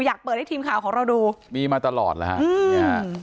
อยากเปิดให้ทีมข่าวของเราดูมีมาตลอดแล้วฮะอืมเนี่ย